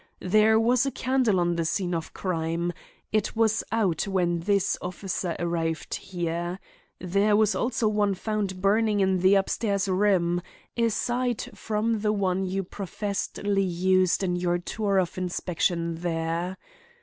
There was a candle on the scene of crime; it was out when this officer arrived here. There was also one found burning in the upstairs room, aside from the one you professedly used in your tour of inspection there.